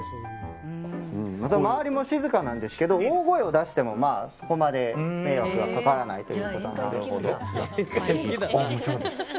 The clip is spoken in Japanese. また周りも静かなんですけど大声を出してもそこまで迷惑がかからないと。